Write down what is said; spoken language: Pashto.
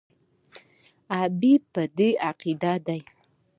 حبیبي په دې عقیده دی.